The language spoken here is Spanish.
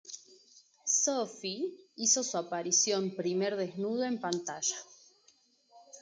Sophie hizo su aparición primer desnudo en pantalla.